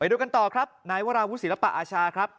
ดูกันต่อครับนายวราวุศิลปะอาชาครับ